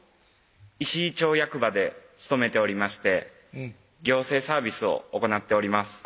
石井町役場で勤めておりまして行政サービスを行っております